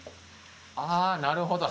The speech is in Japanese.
ああーなるほど。